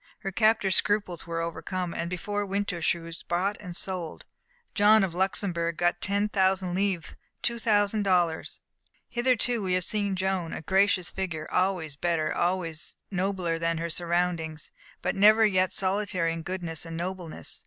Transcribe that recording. Her captors' scruples were overcome, and before winter she was bought and sold. John of Luxembourg got ten thousand livres two thousand dollars. Hitherto we have seen Joan, a gracious figure always better always and nobler than her surroundings but never yet solitary in goodness and nobleness.